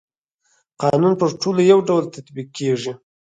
قانون پر ټولو يو ډول تطبيق کيږي.